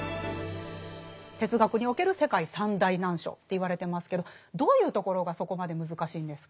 哲学における世界三大難書と言われてますけどどういうところがそこまで難しいんですか？